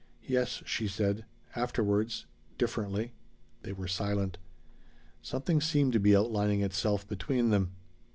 "Yes," she said. "Afterwards. Differently." They were silent. Something seemed to be outlining itself between them.